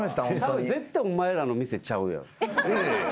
絶対お前らの店ちゃうやろ。